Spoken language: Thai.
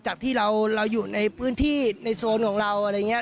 จากที่เราอยู่ในพื้นที่ในโซนของเราอะไรอย่างนี้